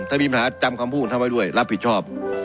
ถ้ามีปัญหาจำความพูดทำให้ด้วยรับผิดชอบ